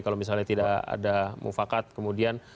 kalau misalnya tidak ada mufakat kemudian